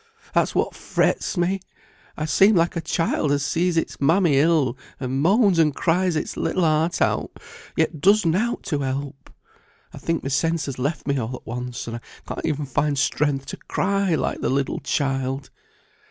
That's what frets me! I seem like a child as sees its mammy ill, and moans and cries its little heart out, yet does nought to help. I think my sense has left me all at once, and I can't even find strength to cry like the little child."